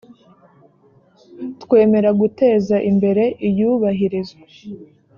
twemera guteza imbere iyubahirizwa